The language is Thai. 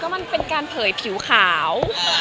มันเป็นการเผยผิวขาว